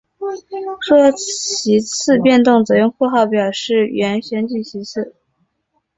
若席次变动则用括号表示原选举席次。